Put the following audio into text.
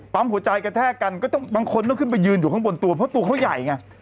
หัวใจกระแทกกันก็ต้องบางคนต้องขึ้นไปยืนอยู่ข้างบนตัวเพราะตัวเขาใหญ่ไง